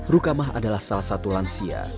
rukamah adalah salah satu lansia